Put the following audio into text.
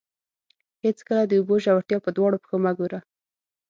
هېڅکله د اوبو ژورتیا په دواړو پښو مه ګوره.